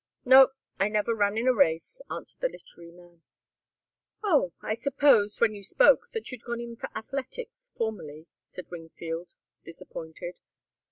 "No. I never ran in a race," answered the literary man. "Oh I supposed, when you spoke, that you'd gone in for athletics formerly," said Wingfield, disappointed.